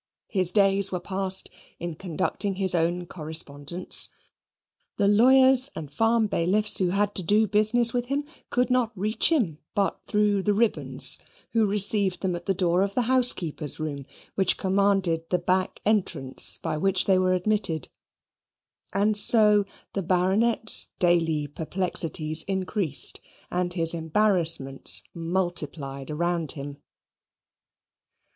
His days were passed in conducting his own correspondence; the lawyers and farm bailiffs who had to do business with him could not reach him but through the Ribbons, who received them at the door of the housekeeper's room, which commanded the back entrance by which they were admitted; and so the Baronet's daily perplexities increased, and his embarrassments multiplied round him.